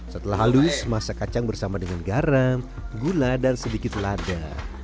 setelah halus masak kacang bersama dengan garam gula dan sedikit lada